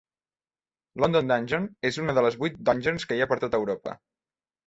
London Dungeon és una de les vuit Dungeons que hi ha per tota Europa.